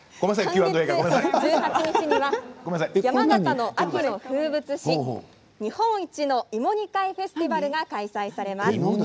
９月１８日には山形の風物詩、日本一の芋煮会フェスティバルが開催されます。